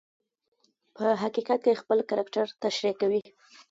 په حقیقت کې خپل کرکټر تشریح کوي.